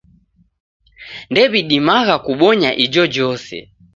Ndew'idimagha kubonya ijojose.